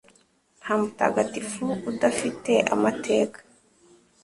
Nta mutagatifu udafite amateka,